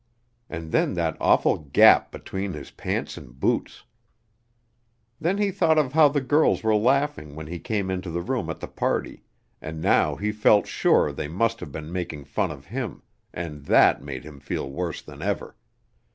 And then that awful gap between his pants and boots! Then he thought of how the girls were laughing when he came into the room at the party, and now he felt sure they must have been making fun of him, and that made him feel worse than ever.